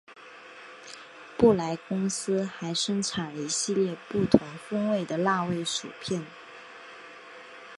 布莱公司还生产一系列不同风味的辣味薯片。